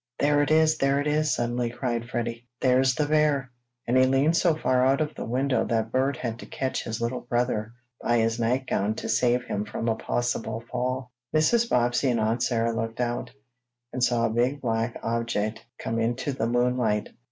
"There it is! There it is!" suddenly cried Freddie. "There's the bear!" and he leaned so far out of the window that Bert had to catch his little brother by his night gown to save him from a possible fall. Mrs. Bobbsey and Aunt Sarah looked out, and saw a big black object come into the moonlight.